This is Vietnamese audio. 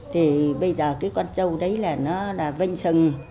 thì bây giờ cái con trâu đấy là nó là vanh sừng